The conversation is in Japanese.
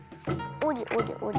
おりおりおり。